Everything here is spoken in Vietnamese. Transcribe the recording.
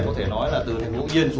quay thì quay